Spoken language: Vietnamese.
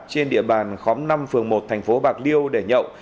trên địa bàn khóm năm phường một thành phố bạc liêu để nhậu